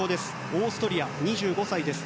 オーストリア、２５歳です。